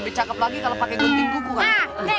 lebih cakep lagi kalau pakai gunting buku kan